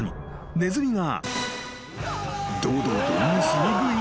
ネズミが］